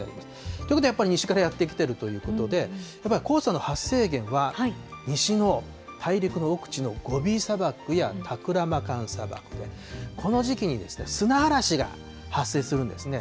ということで、やっぱり西からやって来てるということで、やっぱり黄砂の発生源は、西の大陸の奥地のゴビ砂漠やタクラマカン砂漠で、この時期に砂嵐が発生するんですね。